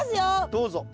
どうぞ。